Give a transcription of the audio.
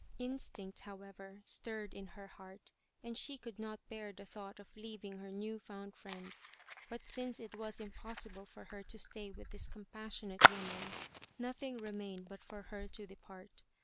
Instinct, however, stirred in her heart, and she could not bear the thought of leaving her new found friend. But since it was impossible for her to stay with this compassionate woman, nothing remained but for her to depart.